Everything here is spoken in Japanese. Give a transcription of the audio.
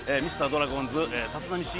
ミスタードラゴンズ立浪